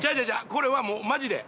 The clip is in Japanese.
これはもうマジで。